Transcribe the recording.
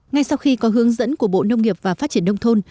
ngay sau khi có hướng dẫn của bộ nông nghiệp và phát triển nông thôn